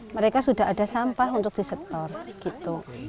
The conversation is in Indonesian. mereka sudah ada sampah untuk disetor gitu